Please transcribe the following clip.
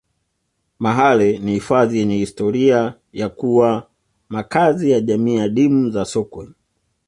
mahale ni hifadhi yenye historia ya kuwa makazi ya jamii adimu za sokwe